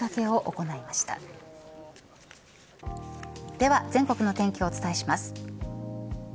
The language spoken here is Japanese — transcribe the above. では全国の天気をお伝えします。